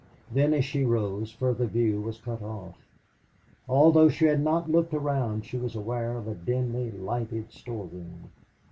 Then as she rose further her view was cut off. Although she had not looked around, she was aware of a dimly lighted storeroom.